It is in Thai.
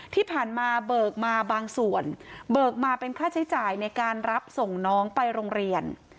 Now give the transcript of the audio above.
ที่ผ่านมาเบิกมาบางส่วนเบิกมาเป็นค่าใช้จ่ายในการรับส่งน้องไปโรงเรียน